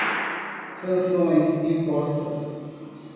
sanções impostas